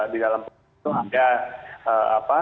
di dalam itu ada